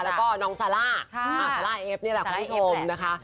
แล้วก็น้องซาร่าซาร่าเอฟนี่แหละคุณผู้ชมนะคะ